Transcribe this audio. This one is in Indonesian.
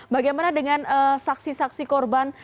bagaimana dengan saksi saksi korban